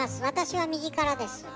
私は右からです。